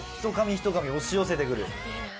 ひとかみ押し寄せてくる。